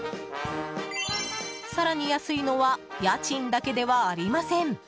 更に安いのは家賃だけではありません。